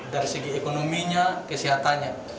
dari segi ekonominya kesehatannya